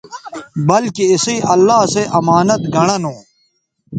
بلکہ اِسئ اللہ سو امانت گنڑہ نو